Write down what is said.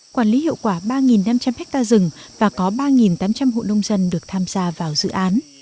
quản lý hiệu quả ba năm trăm linh ha rừng và có ba tám trăm linh hộ nông dân được tham gia vào dự án